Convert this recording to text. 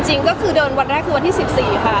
จริงก็คือเดินวันแรกคือวันที่๑๔ค่ะ